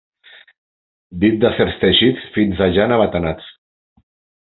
Dit de certs teixits fins de llana batanats.